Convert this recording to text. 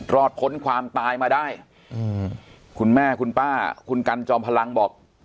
พ้นความตายมาได้คุณแม่คุณป้าคุณกันจอมพลังบอก